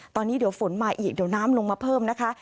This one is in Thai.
ตอนนี้เดี๋ยวฝนมาอีกเดี๋ยวน้ำลงมาเพิ่มนะคะ